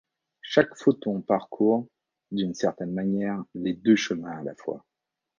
Chaque photon parcourt, d'une certaine manière, les deux chemins à la fois.